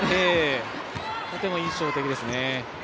とても印象的ですね。